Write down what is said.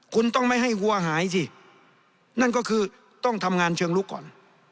คุณต้องไม่ให้วัวหายสินั่นก็คือต้องทำงานเชิงลุกก่อน